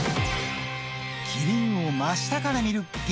キリンを真下から見る激